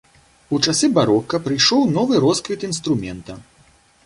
У часы барока прыйшоў новы росквіт інструмента.